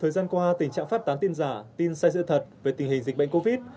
thời gian qua tình trạng phát tán tin giả tin sai sự thật về tình hình dịch bệnh covid